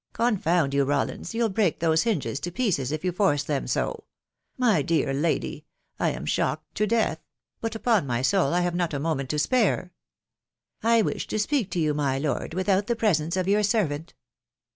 Con found you, Rawlins, you'll break those hingi pieces if you force them so. ... My dear lady i .... shocked to death ;.... but, upon my soul, I Isnve not a ment to spare V* " I wish to speak to you, my lord, without the preset your servant."